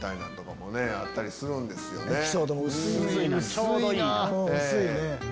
ちょうどいい。